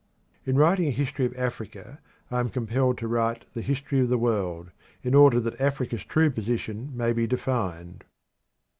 In writing a history of Africa I am compelled to write the history of the world, in order that Africa's true position may be defined.